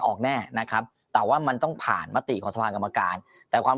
ออกแน่นะครับแต่ว่ามันต้องผ่านมติของสภากรรมการแต่ความ